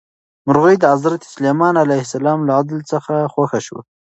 مرغۍ د حضرت سلیمان علیه السلام له عدل څخه خوښه شوه.